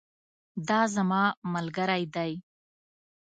دا زما ملګری دی